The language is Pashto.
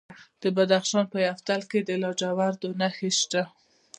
د بدخشان په یفتل کې د لاجوردو نښې شته.